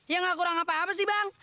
ya gak kurang apa apa sih bang